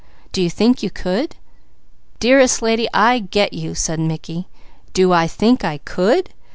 Do you think you could?" "Dearest lady, I get you," said Mickey. "_Do I think I could?